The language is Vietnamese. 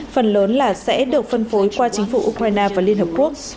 phần lớn là sẽ được phân phối qua chính phủ ukraine và liên hợp quốc